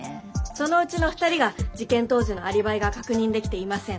そのうちの２人が事件当時のアリバイが確認できていません。